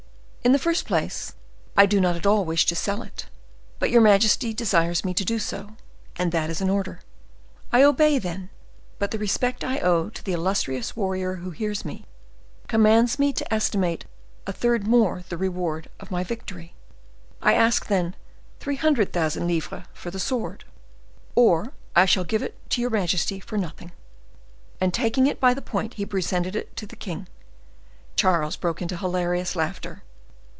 "In the first place, I do not at all wish to sell it; but your majesty desires me to do so, and that is an order. I obey, then, but the respect I owe to the illustrious warrior who hears me, commands me to estimate a third more the reward of my victory. I ask then three hundred thousand livres for the sword, or I shall give it to your majesty for nothing." And taking it by the point he presented it to the king. Charles broke into hilarious laughter.